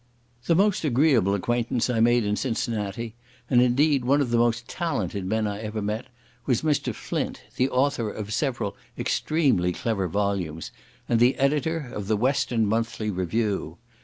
The most agreeable acquaintance I made in Cincinnati, and indeed one of the most talented men I ever met, was Mr. Flint, the author of several extremely clever volumes, and the editor of the Western Monthly Review.